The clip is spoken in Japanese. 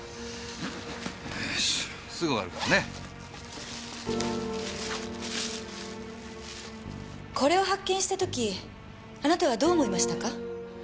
〔すぐ終わるからね〕これを発見したときあなたはどう思いましたか？